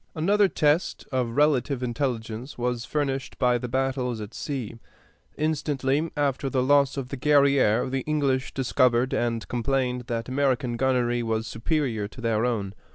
Another test of relative intelligence was furnished by the battles at sea. Instantly after the loss of the Guerrière the English discovered and complained that American gunnery was superior to their own.